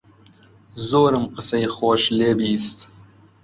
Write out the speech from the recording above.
زۆرم قسەی خۆش لێ بیست